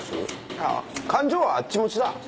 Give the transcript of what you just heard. ああ勘定はあっち持ちだ。